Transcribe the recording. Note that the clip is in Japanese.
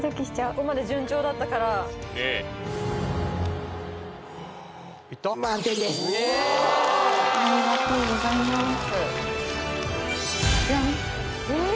ここまで順調だったからジャン！